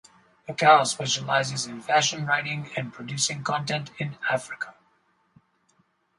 Ekow specializes in fashion writing and producing content in Africa.